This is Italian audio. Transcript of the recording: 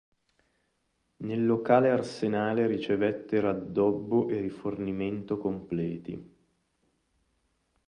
Nel locale arsenale ricevette raddobbo e rifornimento completi.